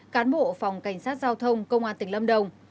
cán bộ phòng cảnh sát giao thông công an tỉnh lâm đồng